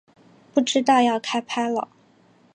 不知道要开拍了